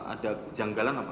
ada kejanggalan apa